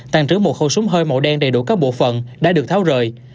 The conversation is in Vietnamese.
tàn trữ một khẩu súng hơi màu đen đầy đủ các bộ phận đã được tháo rời